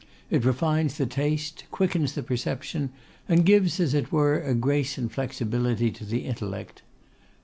It refines the taste, quickens the perception, and gives, as it were, a grace and flexibility to the intellect.